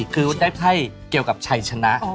คือได้ไพ่เกี่ยวกับชัยชนะ